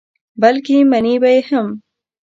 بلکې منې به یې هم.